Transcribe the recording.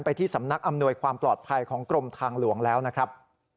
ที่สำนักอำนวยความปลอดภัยของกรมทางหลวงแล้วนะครับ